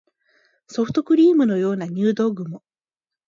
ソフトクリームのような入道雲